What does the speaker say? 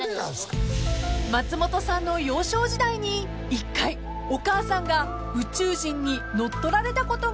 ［松本さんの幼少時代に１回お母さんが宇宙人に乗っ取られたことがあるそうです］